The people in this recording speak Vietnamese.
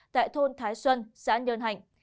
tại thôn thái xuân xã nhơn hạnh